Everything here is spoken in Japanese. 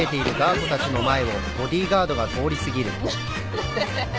・アハハハハ！